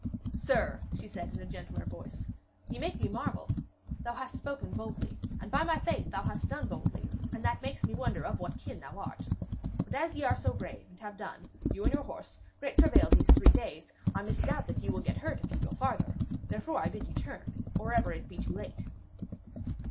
'Sir,' she said in a gentler voice, 'ye make me marvel. Thou hast spoken boldly, and, by my faith, thou hast done boldly, and that makes me wonder of what kin thou art. But as ye are so brave, and have done, you and your horse, great travail these three days, I misdoubt that ye will get hurt if ye go further. Therefore I bid you turn, or ever it be too late.'